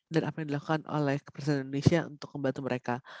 dan apa yang dilakukan oleh kepresiden indonesia untuk membantu mereka